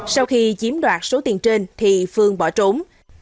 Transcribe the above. sau khi chiếm đoạt số tiền trên thì phương bỏ trốn